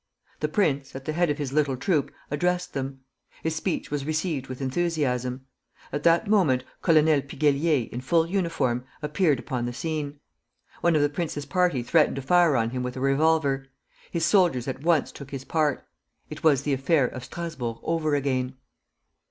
The prince, at the head of his little troop, addressed them. His speech was received with enthusiasm. At that moment Colonel Piguellier, in full uniform, appeared upon the scene. One of the prince's party threatened to fire on him with a revolver. His soldiers at once took his part. It was the affair of Strasburg over again.